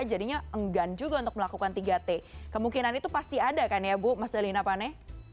jadinya enggan juga untuk melakukan tiga t kemungkinan itu pasti ada kan ya bu mas dalina pane